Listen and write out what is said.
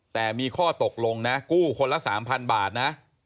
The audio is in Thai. แต่มีข้อตกลงนะกู้คนละ๓๐๐บาทนะ